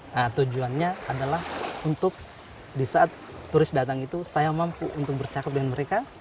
nah tujuannya adalah untuk di saat turis datang itu saya mampu untuk bercakap dengan mereka